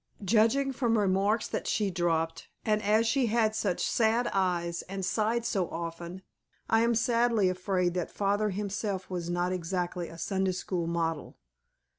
Judging from remarks that she dropped and as she had such sad eyes and sighed so often, I am sadly afraid that father himself was not exactly a Sunday school model.